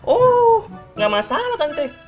oh nggak masalah tante